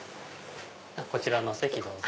こちらのお席どうぞ。